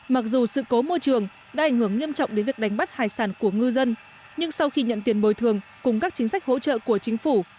mặc dù sự cố môi trường đã ảnh hưởng nghiêm trọng đến việc đánh bắt hải sản của ngư dân nhưng sau khi nhận tiền bồi thường cùng các chính sách hỗ trợ của chính phủ